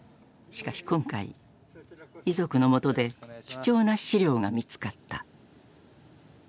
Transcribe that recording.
しかし今回遺族のもとで貴重な資料が見つかった。